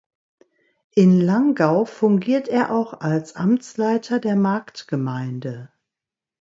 In Langau fungiert er auch als Amtsleiter der Marktgemeinde.